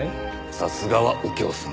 さすがは右京さん。